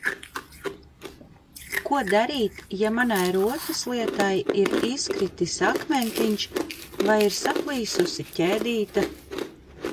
Ko darīt, ja manai rotaslietai ir izkritis akmentiņš vai ir saplīsusi ķēdīte?